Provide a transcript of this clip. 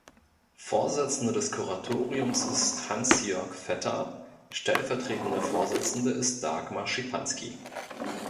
Vorsitzender des Kuratoriums ist Hans-Jörg Vetter, stellvertretende Vorsitzende ist Dagmar Schipanski.